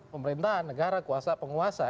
pemerintahan negara kuasa penguasa